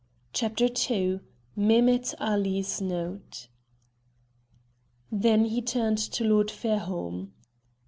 CHAPTER II MEHEMET ALI'S NOTE Then he turned to Lord Fairholme.